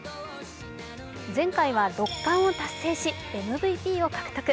前回は６冠を達成し、ＭＶＰを獲得。